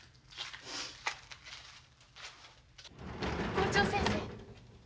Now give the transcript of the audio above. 校長先生。